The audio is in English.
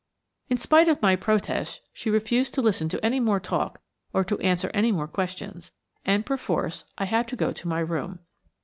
In spite of my protest, she refused to listen to any more talk or to answer any more questions, and, perforce, I had to go to my room.